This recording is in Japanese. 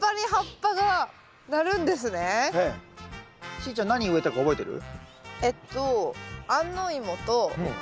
しーちゃん何植えたか覚えてる？